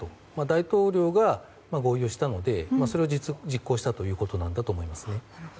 大統領が合意をしたのでそれを実行したということなんだと思います。